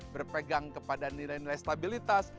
berpegang kepada nilai nilai stabilitas